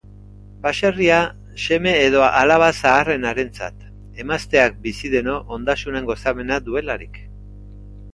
Baserria seme edo alaba zaharrenarentzat, emazteak bizi deno ondasunen gozamena duelarik.